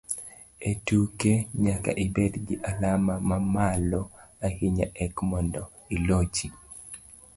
E tuke, nyaka ibed gi alama mamalo ahinya eka mondo ilochi